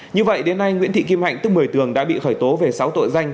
như vậy đến nay nguyễn thị kim hạnh tức một mươi tường đã bị khởi tố về sáu tội danh